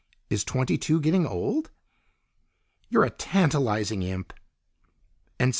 Is twenty two getting old?" "You're a tantalizing imp!"